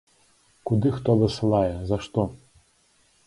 Куды хто высылае, за што?